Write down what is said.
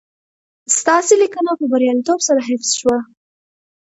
ستاسي لېنکه په برياليتوب سره حفظ شوه